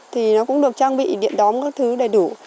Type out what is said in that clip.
thì nó cũng được trang bị điện đón các thứ đầy đủ